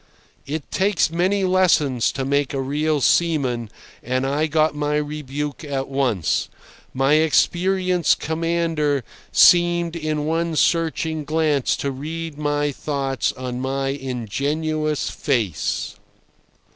It takes many lessons to make a real seaman, and I got my rebuke at once. My experienced commander seemed in one searching glance to read my thoughts on my ingenuous face.